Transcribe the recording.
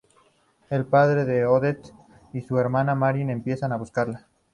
El padre de Odette y su hermana, Marie, empiezan a buscarla.